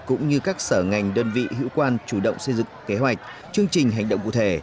cũng như các sở ngành đơn vị hữu quan chủ động xây dựng kế hoạch chương trình hành động cụ thể